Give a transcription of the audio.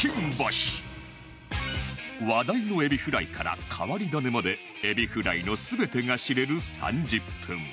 話題のエビフライから変わり種までエビフライの全てが知れる３０分